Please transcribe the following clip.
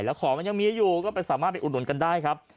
แล้วของมันยังมีอยู่ก็ไปสามารถไปอุดหนุนกันได้ครับ